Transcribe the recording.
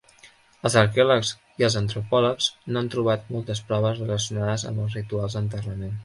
Els arqueòlegs i els antropòlegs no han trobat moltes proves relacionades amb els rituals d'enterrament.